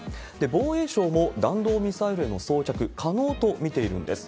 防衛省も、弾道ミサイルへの装着、可能と見ているんです。